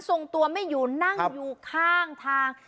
ทรงตัวไม่อยู่นั่งอยู่ข้างทาง